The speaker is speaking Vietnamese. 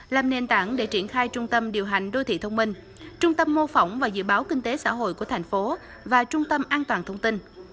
làm nền tảng để triển khai trung tâm điều hành đô thị thông minh trung tâm mô phỏng và dự báo kinh tế xã hội của thành phố và trung tâm an toàn thông tin